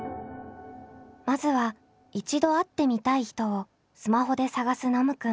まずは一度会ってみたい人をスマホで探すノムくん。